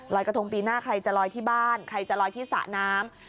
กระทงปีหน้าใครจะลอยที่บ้านใครจะลอยที่สระน้ำ